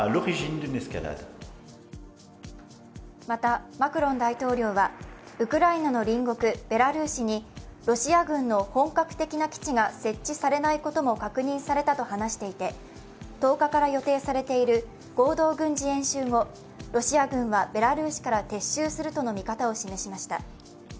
また、マクロン大統領はウクライナの隣国ベラルーシにロシア軍の本格的な基地が設置されないことも確認されたと話していて１０日から予定されている合同軍事演習後、ロシア軍はベラルーシから撤収するとの見方を示しました。